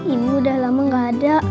ibu udah lama gak ada